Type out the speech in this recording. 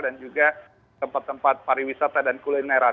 dan juga tempat tempat pariwisata dan kulineran